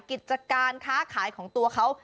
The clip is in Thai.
กิจการค้าขายของตัวเขา